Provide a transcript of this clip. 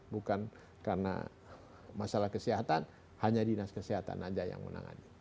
bukan karena masalah kesehatan hanya dinas kesehatan saja yang menangani